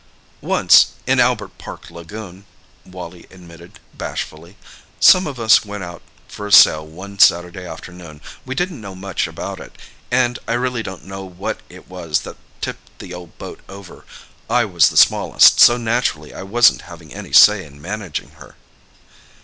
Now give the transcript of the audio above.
"Once—in Albert Park Lagoon," Wally admitted bashfully. "Some of us went out for a sail one Saturday afternoon. We didn't know much about it, and I really don't know what it was that tipped the old boat over. I was the smallest, so naturally I wasn't having any say in managing her."